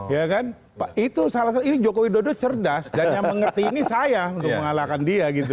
ya kan itu salah satu ini joko widodo cerdas dan yang mengerti ini saya untuk mengalahkan dia gitu